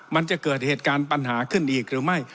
มันจะเกิดเหตุการณ์ปัญหาขึ้นอีกหรือไม่